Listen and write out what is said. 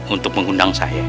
untuk mengundang saya